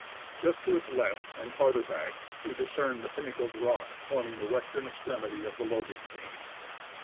Just to its left, and farther back, we discerned the pinnacled rock forming the western extremity of the Logan chain.